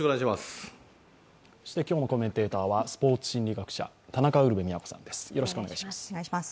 今日のコメンテーターはスポーツ心理学者、田中ウルヴェ京さんです。